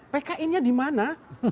pki nya di mana